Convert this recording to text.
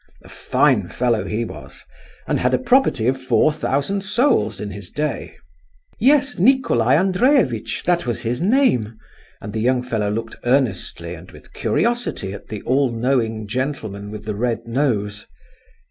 A fine fellow he was—and had a property of four thousand souls in his day." "Yes, Nicolai Andreevitch—that was his name," and the young fellow looked earnestly and with curiosity at the all knowing gentleman with the red nose.